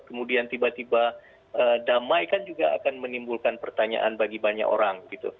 kemudian tiba tiba damai kan juga akan menimbulkan pertanyaan bagi banyak orang